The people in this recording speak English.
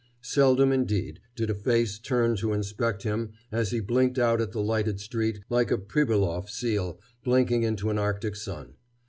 Seldom, indeed, did a face turn to inspect him as he blinked out at the lighted street like a Pribiloff seal blinking into an Arctic sun.